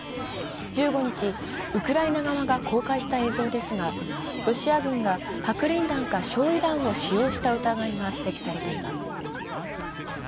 １５日、ウクライナ側が公開した映像ですがロシア軍が白リン弾か焼い弾を使用した疑いが指摘されています。